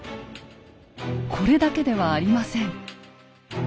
これだけではありません。